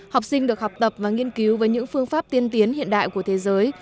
học sinh được học tập và nghiên cứu với những phương pháp tiên tiến hiện đại của thế giới